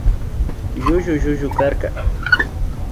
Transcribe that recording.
Llullu llukarka